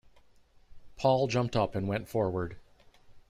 Paul jumped up and went forward.